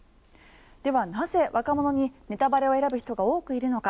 では、なぜ若者にネタバレを選ぶ人が多くいるのか。